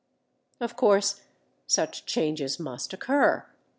Of course such changes must occur.